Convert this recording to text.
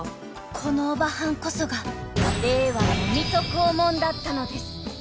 ［このオバハンこそが令和の水戸黄門だったのです］